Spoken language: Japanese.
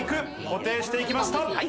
固定していきました。